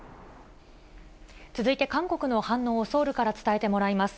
続いて韓国の反応をソウルから伝えてもらいます。